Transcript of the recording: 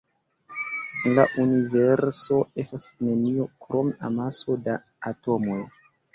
En la universo estas nenio krom amaso da atomoj.